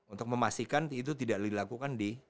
untuk memastikan itu tidak dilakukan di